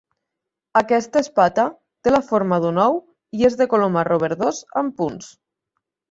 Aquesta espata té la forma d'un ou i és de color marró verdós amb punts.